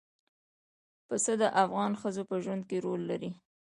پسه د افغان ښځو په ژوند کې رول لري.